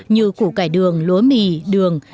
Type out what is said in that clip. như củ cải đường lúa mì đường